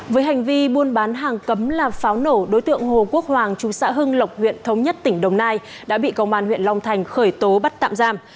với hành vi buôn bán hàng cấm là pháo nổ đối tượng hồ quốc hoàng chú xã hưng lộc huyện thống nhất tỉnh đồng nai đã bị công an huyện long thành khởi tố bắt tạm giam